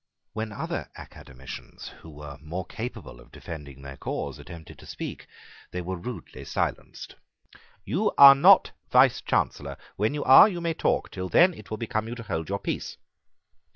When other academicians who were more capable of defending their cause attempted to speak they were rudely silenced. "You are not Vicechancellor. When you are, you may talk. Till then it will become you to hold your peace."